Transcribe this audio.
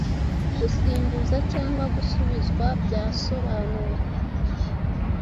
Gusimbuza cyangwa Gusubizwa byasobanuwe